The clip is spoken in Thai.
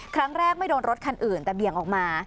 ครั้งแรกไม่โดนรถคันอื่นแต่เบี่ยงออกมา